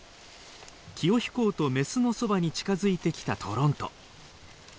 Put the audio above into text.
気を引こうとメスのそばに近づいてきたトロント。